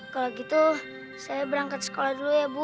kalau gitu saya berangkat sekolah dulu ya bu